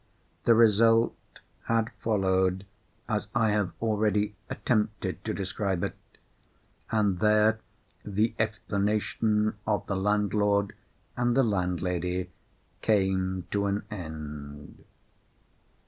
The result had followed, as I have already attempted to describe it; and there the explanation of the landlord and the landlady came to an end.